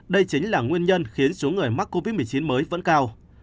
đây chính là nguyên nhân khiến số người mắc covid một mươi chín mới vẫn cao